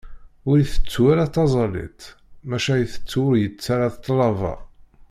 Ur itettu ara taẓallit, maca itettu ur yettarra ṭṭlaba.